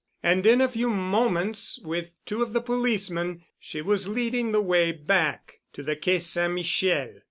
And in a few moments with two of the policemen she was leading the way back to the Quai St. Michel.